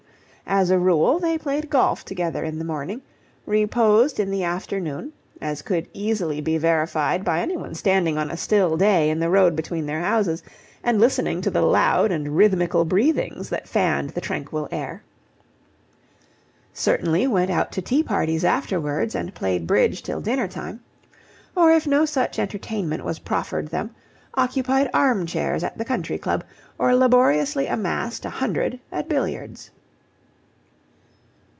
As a rule, they played golf together in the morning, reposed in the afternoon, as could easily be verified by anyone standing on a still day in the road between their houses and listening to the loud and rhythmical breathings that fanned the tranquil air, certainly went out to tea parties afterwards and played bridge till dinner time; or if no such entertainment was proffered them, occupied armchairs at the country club, or laboriously amassed a hundred at billiards.